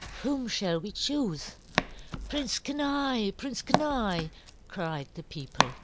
Whom shall we choose?" "Prince Kenai! Prince Kenai!" cried the people.